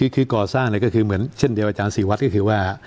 คือก่อสร้างก็คือเหมือนเช่นเดียวอาจารย์ศรีวัตรก็คือว่า